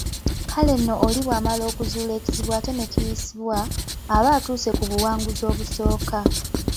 Kale nno oli bw’amala okuzuula ekizibu ate ne kiyisibwa, aba atuuse ku buwanguzi obusooka.